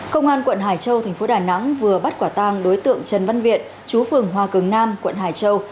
công an quận hải châu thành phố đà nẵng vừa bắt quả tang đối tượng trần văn viện chú phường hòa cường nam quận hải châu